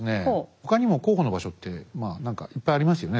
他にも候補の場所ってまあ何かいっぱいありますよね。